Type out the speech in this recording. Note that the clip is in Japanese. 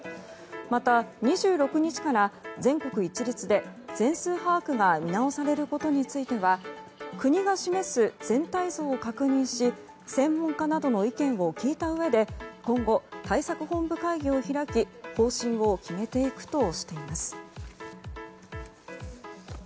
また、２６日から全国一律で、全数把握が見直されることについては国が示す全体像を確認し専門家などの意見を聞いたうえで今後、対策本部会議を開き方針を決めていくとしています。